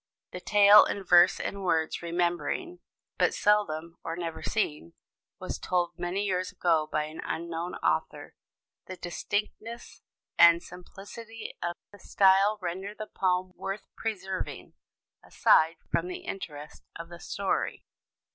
The tale, in verse worth [Illustration: CASTAWAYS ON A RAFT.] remembering, but seldom or never seen, was told many years ago by an unknown author. The distinctness and simplicity of the style render the poem worth preserving, aside from the interest of the story.